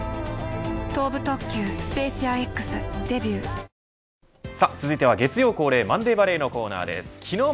ドランサントリー「翠」続いては月曜恒例マンデーバレーのコーナーです。